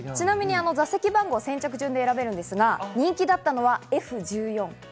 座席番号、先着順で選べるんですが、人気だったのはＦ−１４。